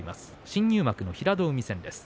新入幕の平戸海戦です。